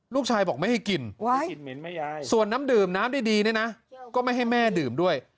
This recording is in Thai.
ลูกชายบอกไม่ให้กินส่วนน้ำดื่มน้ำดีเนี่ยนะก็ไม่ให้แม่ดื่มด้วย